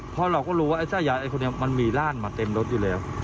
พอเราก็รู้ว่าไอ้สระแย่นมันมีร่านมาเต็มรถอยู่แล้ว